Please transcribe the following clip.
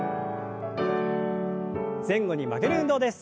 前後に曲げる運動です。